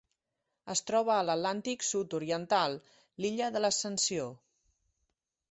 Es troba a l'Atlàntic sud-oriental: l'Illa de l'Ascensió.